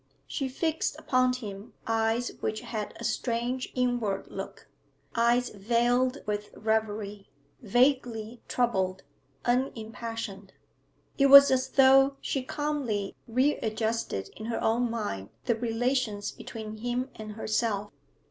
She fixed upon him eyes which had a strange inward look, eyes veiled with reverie, vaguely troubled, unimpassioned. It was as though she calmly readjusted in her own mind the relations between him and herself.